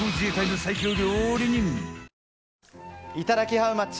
ハウマッチ。